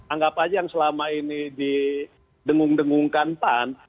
anggap aja yang selama ini didengung dengungkan pan